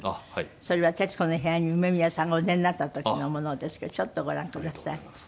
それは『徹子の部屋』に梅宮さんがお出になった時のものですけどちょっとご覧ください。